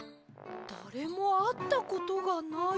だれもあったことがない。